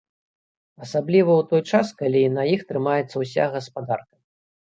Асабліва ў той час, калі на іх трымаецца ўся гаспадарка.